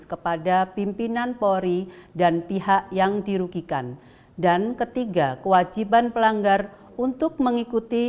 kepada pimpinan polri dan pihak yang dirugikan dan ketiga kewajiban pelanggar untuk mengikuti